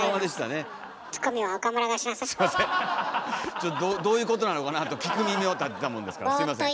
ちょっとどういうことなのかなと聞く耳を立てたもんですからすいません。